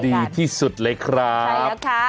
ดีที่สุดเลยครับ